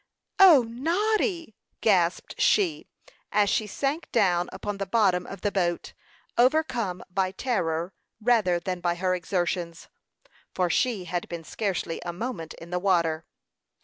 "O, Noddy!" gasped she, as she sank down upon the bottom of the boat, overcome by terror, rather than by her exertions, for she had been scarcely a moment in the water.